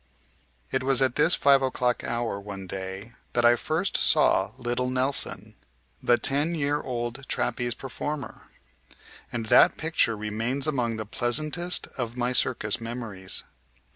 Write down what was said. It was at this five o'clock hour one day that I first saw little Nelson, the ten year old trapeze performer, and that picture remains among the pleasantest of my circus memories.